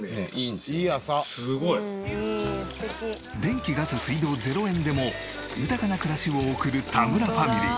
電気ガス水道０円でも豊かな暮らしを送る田村ファミリー。